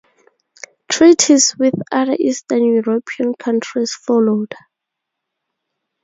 Treaties with other Eastern European countries followed.